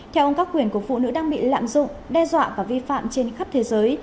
theo ông các quyền của phụ nữ đang bị lạm dụng đe dọa và vi phạm trên khắp thế giới